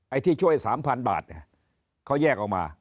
ไอ้ที่ช่วยสามพันบาทเขาแยกออกมา